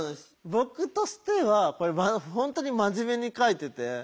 僕としては本当に真面目に書いてて。